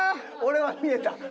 俺は見えた。